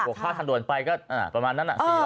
บวกค่าทันด่วนไปก็ประมาณนั้นนะ๔๐๐